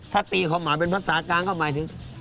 ถ้าตีความหมายเป็นภาษากลางก็หมายถึง